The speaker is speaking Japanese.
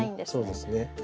そうですね。